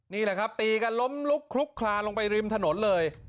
นี่แหละครับตีกันล้มลุกคลุกคลาลงไปริมถนนเลย